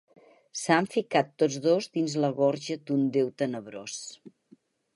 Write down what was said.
S'han ficat tots dos dins la gorja d'un déu tenebrós.